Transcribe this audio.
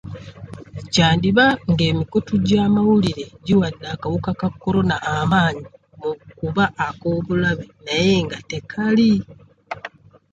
Kyandiba ng'emikutu gy'amawulire giwadde akawuka ka Corona amaanyi mu kuba ak'obulabe naye nga tekali.